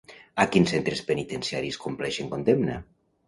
A quins centres penitenciaris compleixen condemna?